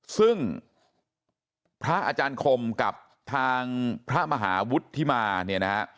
ซึ่งพระอาจารย์คมกับทางพระมหาวุฒิธิมาฮะ